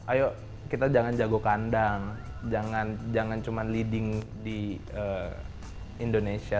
ayo kita jangan jago kandang jangan cuma leading di indonesia